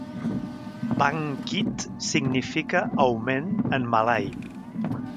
Bangkit significa "augment" en malai.